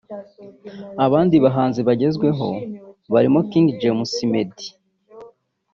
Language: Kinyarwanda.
Abandi bahanzi bagezweho barimo King James Meddy